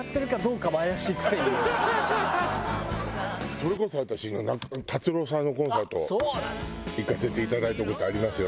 それこそ私達郎さんのコンサート行かせていただいた事ありますよ